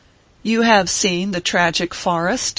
" You have seen the tragic Forrest